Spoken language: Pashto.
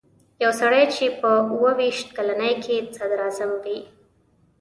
یو سړی چې په اووه ویشت کلنۍ کې صدراعظم وي.